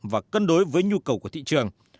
và cân đối với nhu cầu của thị trường